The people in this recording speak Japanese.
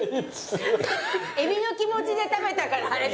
エビの気持ちで食べたからあれでしょ。